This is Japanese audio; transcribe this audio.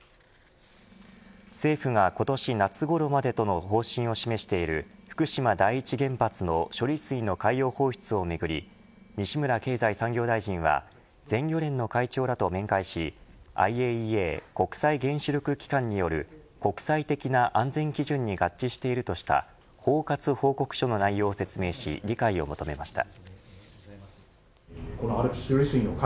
政府が今年夏ごろまでとの方針を示している福島第一原発の処理水の海洋放出をめぐり西村経済産業大臣は全漁連の会長らと面会しＩＡＥＡ国際原子力機関による国際的な安全基準に合致しているとした包括報告書の内容を説明し理解を求めました。